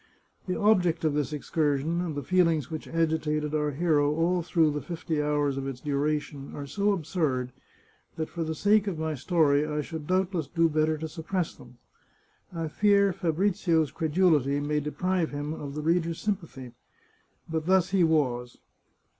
The object of this excursion and the feelings which agitated our hero all through the fifty hours of its duration are so absurd, that for the sake of my story I should doubtless do better to suppress them. I fear Fa brizio's credulity may deprive him of the reader's sympathy. But thus he was.